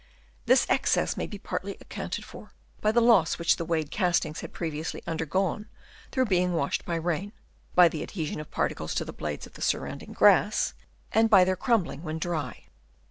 This excess may be partly accounted for by the loss which the weighed castings had previously under gone through being washed by rain, by the adhesion of particles to the blades of the sur rounding grass, and by their crumbling when dry.